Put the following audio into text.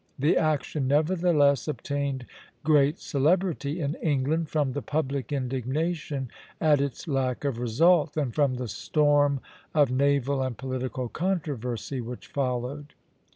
The action nevertheless obtained great celebrity in England from the public indignation at its lack of result, and from the storm of naval and political controversy which followed.